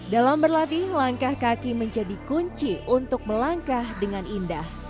dalam berlatih langkah kaki menjadi kunci untuk melangkah dengan indah